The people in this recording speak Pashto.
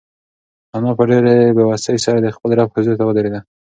انا په ډېرې بېوسۍ سره د خپل رب حضور ته ودرېده.